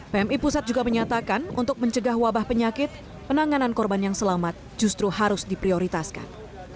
pmi pusat juga menyatakan untuk mencegah wabah penyakit penanganan korban yang selamat justru harus diprioritaskan